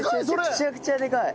めちゃくちゃでかい。